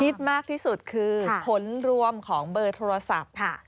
มากที่สุดคือผลรวมของเบอร์โทรศัพท์